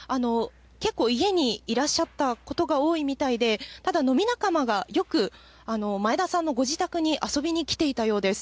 結構、家にいらっしゃったことが多いみたいで、ただ飲み仲間が、よく前田さんのご自宅に遊びにきていたようです。